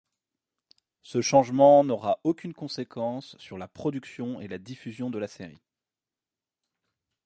Ce changement n'aura aucune conséquence sur la production et la diffusion de la série.